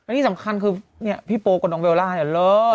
ที่สำคัญคือเนี่ยพี่โปกับน้องเบลล่าเนี่ยเลิศ